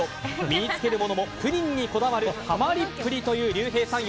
身に着けるものもプリンにこだわるハマりっぷりというりゅうへいさん